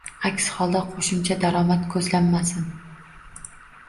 Aks holda, qo‘shimcha daromad ko‘zlamasin.